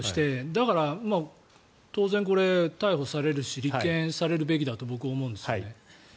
だから、当然これは逮捕されるし立件されるべきだと僕は思うんですよね。